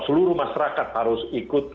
seluruh masyarakat harus ikut bertanggung jawab